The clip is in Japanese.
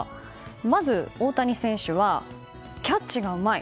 まず、大谷選手はキャッチがうまい。